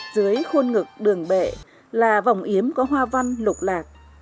dưới khuôn ngực đường bệ là vòng yếm có hoang dã